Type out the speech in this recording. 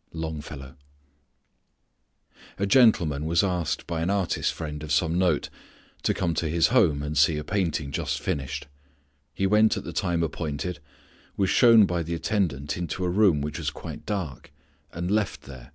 " A gentleman was asked by an artist friend of some note to come to his home, and see a painting just finished. He went at the time appointed, was shown by the attendant into a room which was quite dark, and left there.